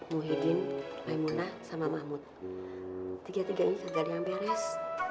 mugi bingungah sama mahmud tiga puluh tiga tidak yang beres